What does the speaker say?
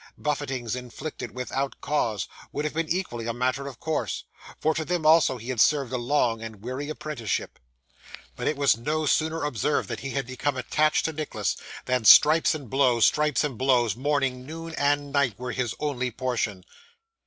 Buffetings inflicted without cause, would have been equally a matter of course; for to them also he had served a long and weary apprenticeship; but it was no sooner observed that he had become attached to Nicholas, than stripes and blows, stripes and blows, morning, noon, and night, were his only portion.